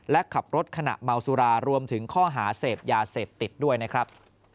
และขับรถขณะเมาสุรารวมถึงข้อหาเสพยาเสพติดด้วยนะครับ